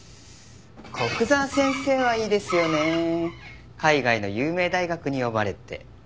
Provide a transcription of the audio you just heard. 古久沢先生はいいですよね海外の有名大学に呼ばれて。